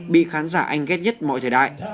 bị khán giả anh ghét nhất mọi thời đại